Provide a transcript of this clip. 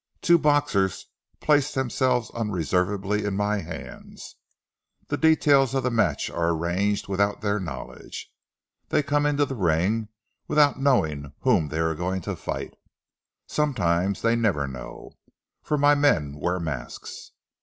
Two boxers place themselves unreservedly in my hands. The details of the match are arranged without their knowledge. They come into the ring without knowing whom they are going to fight. Sometimes they never know, for my men wear masks.